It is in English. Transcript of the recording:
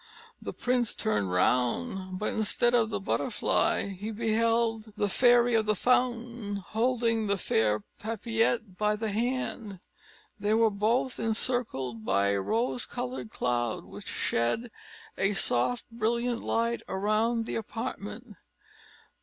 The prince turned round; but instead of the butterfly, he beheld the Fairy of the Fountain, holding the fair Papillette by the hand. They were both encircled by a light rose coloured cloud, which shed a softly brilliant light around the apartment.